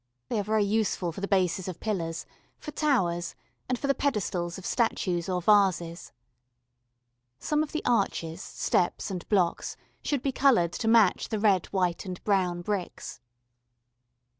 They are very useful for the bases of pillars, for towers and for the pedestals of statues or vases. Some of the arches, steps, and blocks should be coloured to match the red, white, and brown bricks. [Illustration: ARCHES AND PILLARS.